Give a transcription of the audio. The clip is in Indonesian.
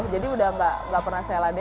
jadi udah nggak pernah saya laden